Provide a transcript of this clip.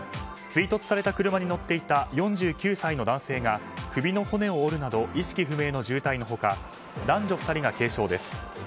追突された車に乗っていた４９歳の男性が首の骨を折るなど意識不明の重体の他男女２人が軽傷です。